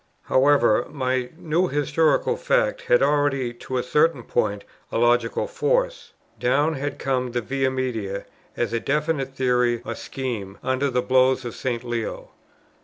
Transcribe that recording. However, my new historical fact had already to a certain point a logical force. Down had come the Via Media as a definite theory or scheme, under the blows of St. Leo.